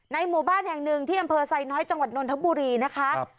หมู่บ้านแห่งหนึ่งที่อำเภอไซน้อยจังหวัดนนทบุรีนะคะ